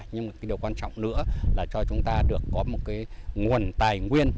nhưng điều quan trọng nữa là cho chúng ta được có một nguồn tài nguyên